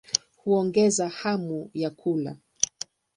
Huongeza hamu ya kula.